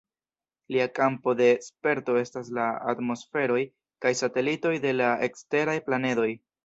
Lia kampo de sperto estas la atmosferoj kaj satelitoj de la eksteraj planedoj.